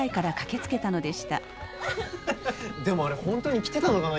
でもあれ本当に来てたのかな？